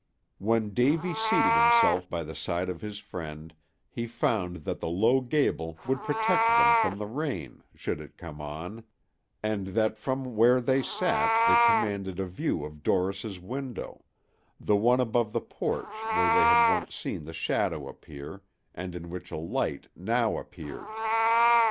When Davy seated himself by the side of his friend, he found that the low gable would protect them from the rain, should it come on, and that from where they sat they commanded a view of Dorris's window; the one above the porch where they had once seen the shadow appear, and in which a light now appeared.